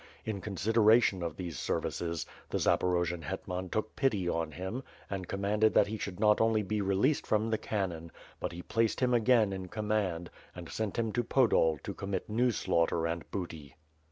In con sideration of these services, the Zaporojian hetman took pity on him and commanded that he should not only be released from the cannon, but he placed him again in command, and sent him to Podol to commit new slaughter and booty.